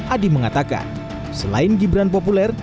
adi mengatakan selain gibran populer